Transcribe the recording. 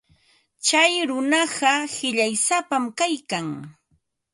Tsay runaqa qillaysapam kaykan.